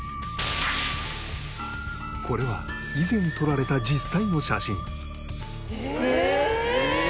これは以前撮られた実際の写真。